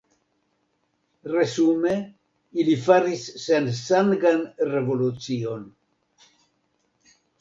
Resume ili faris sensangan revolucion.